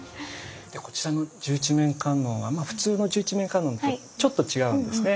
でこちらの十一面観音は普通の十一面観音とちょっと違うんですね。